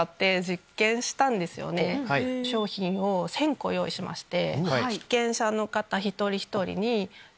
商品を１０００個用意しまして。